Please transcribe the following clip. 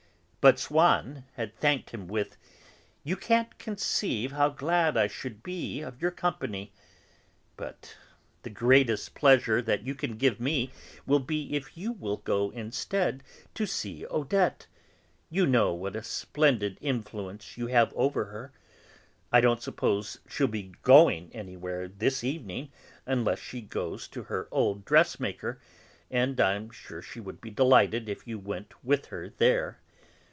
But Swann had thanked him with: "You can't conceive how glad I should be of your company. But the greatest pleasure that you can give me will be if you will go instead to see Odette. You know what a splendid influence you have over her. I don't suppose she'll be going anywhere this evening, unless she goes to see her old dressmaker, and I'm sure she would be delighted if you went with her there.